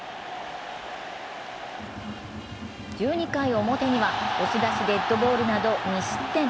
１２回表には押し出しデッドボールなど２失点。